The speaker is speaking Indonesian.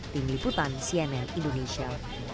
tim liputan cnn indonesia